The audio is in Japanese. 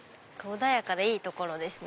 穏やかでいい所ですね